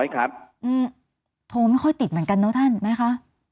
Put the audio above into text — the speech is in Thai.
๓๐๐ครับโทรไม่ค่อยติดเหมือนกันเนอะท่านมั้ยค่ะ